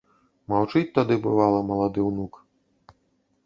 Маўчыць тады, бывала, малады ўнук.